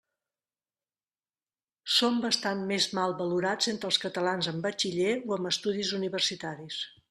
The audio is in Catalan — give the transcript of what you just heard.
Són bastant més mal valorats entre els catalans amb batxiller o amb estudis universitaris.